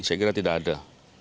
saya kira tidak ada